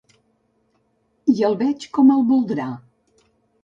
I el veig com el voldrà?